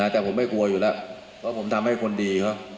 แต่ผมไม่กลัวอยู่แล้วเพราะผมทำให้คนดีเขา